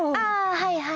はいはい。